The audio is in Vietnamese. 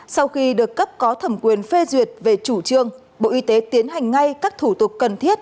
sau khi được cấp có thẩm quyền phê duyệt về chủ trương bộ y tế tiến hành ngay các thủ tục cần thiết